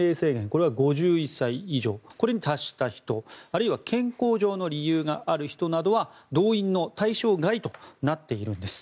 これは５１歳以上これに達した人あるいは健康上の理由がある人などは動員の対象外となっているんです。